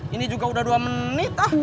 ini juga udah dua menit